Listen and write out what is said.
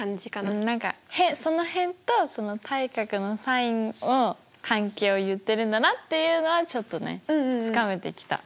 うん何かその辺とその対角のｓｉｎを関係を言ってるんだなっていうのはちょっとねつかめてきた。